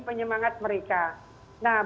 penyemangat mereka nah